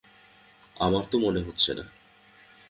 আমার তা মনে হচ্ছে না।